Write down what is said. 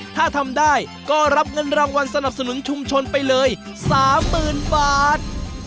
ถ้าทำได้ก็รับเงินรางวัลสนับสนุนชุมชนไปเลย๓๐๐๐บาท